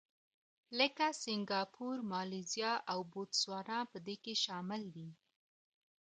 لکه سینګاپور، مالیزیا او بوتسوانا په دې کې شامل دي.